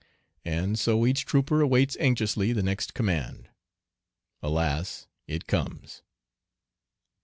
And so each trooper awaits anxiously the next command. Alas! It comes!